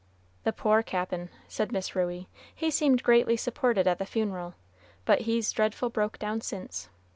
"The poor Cap'n," said Miss Ruey, "he seemed greatly supported at the funeral, but he's dreadful broke down since.